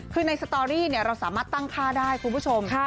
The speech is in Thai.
คือในสตอรี่เราสามารถตั้งค่าได้คุณผู้ชม